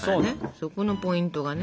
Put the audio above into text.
そこのポイントがね。